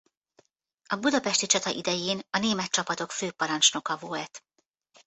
A budapesti csata idején a német csapatok főparancsnoka volt.